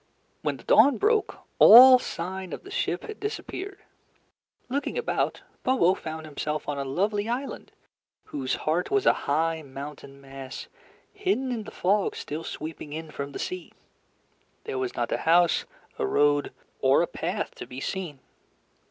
When the dawn broke, all sign of the ship had disappeared. Looking about, Bobo found himself on a lovely island whose heart was a high mountain mass hidden in the fog still sweeping in from the sea. There was not a house, a road, or a path to be seen.